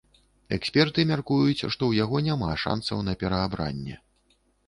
Эксперты мяркуюць, што ў яго няма шанцаў на пераабранне.